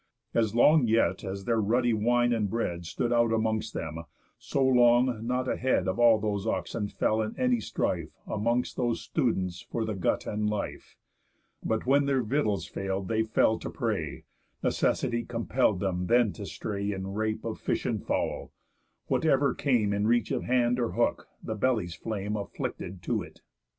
As long yet as their ruddy wine and bread Stood out amongst them, so long not a head Of all those oxen fell in any strife Amongst those students for the gut and life; But when their victuals fail'd they fell to prey, Necessity compell'd them then to stray In rape of fish and fowl; whatever came In reach of hand or hook, the belly's flame Afflicted to it.